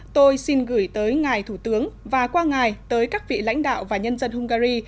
tôi xin gửi tới ngài thủ tướng và qua ngài tới các vị lãnh đạo và nhân dân hungary